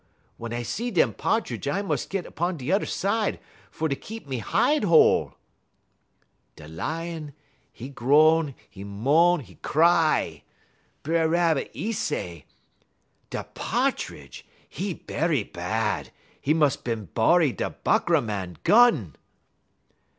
wun I see dem Pa'tridge I mus' git 'pon turrer side fer keep me hide whole.' "Da Lion, 'e groan, 'e moan, 'e cry. B'er Rabbit, 'e say: "'Da Pa'tridge, 'e berry bahd; 'e mus' bin borry da Buckra Màn gun.'